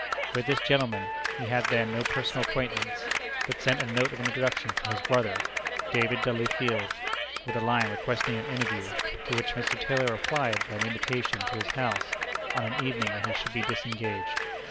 With this gentleman he had then no personal acquaintance, but sent a note of introduction from his brother, David Dudley Field, with a line requesting an interview, to which Mr. Taylor replied by an invitation to his house on an evening when he should be disengaged.